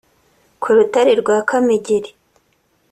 Ku Rutare rwa Kamegeli